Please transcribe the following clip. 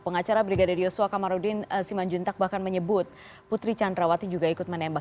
pengacara brigadir yosua kamarudin simanjuntak bahkan menyebut putri candrawati juga ikut menembak